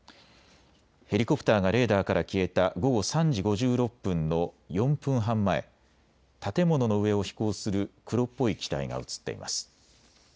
ヘリコプターがレーダーから消えた午後３時５６分の４分半前、建物の上を飛行する黒っぽい機体が写っています。